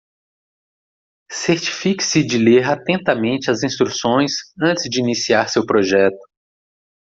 Certifique-se de ler atentamente as instruções antes de iniciar seu projeto.